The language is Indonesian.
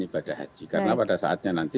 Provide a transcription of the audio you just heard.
ibadah haji karena pada saatnya nanti